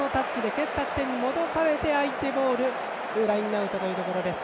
蹴った地点に戻されて相手ボールラインアウトというところ。